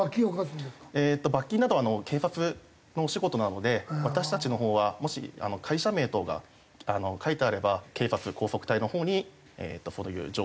罰金などは警察のお仕事なので私たちのほうはもし会社名等が書いてあれば警察高速隊のほうにそういう情報を手渡す。